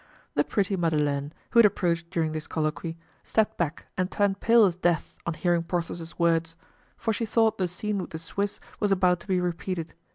The pretty Madeleine, who had approached during this colloquy, stepped back and turned pale as death on hearing Porthos's words, for she thought the scene with the Swiss was about to be repeated.